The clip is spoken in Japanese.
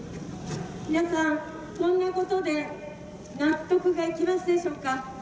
皆さん、こんなことで納得がいきますでしょうか。